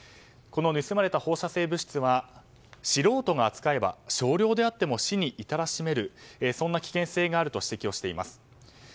この盗まれた放射性物質は素人が扱えば少量であっても死に至らしめるそんな危険性があると指摘しています。